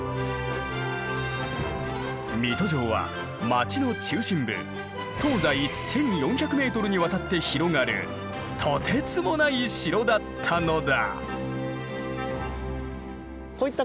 水戸城は町の中心部東西１４００ｍにわたって広がるとてつもない城だったのだ！